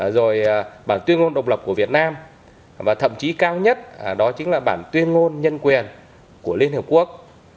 rồi bản tuyên ngôn độc lập của việt nam và thậm chí cao nhất đó chính là bản tuyên ngôn nhân quyền của liên hợp quốc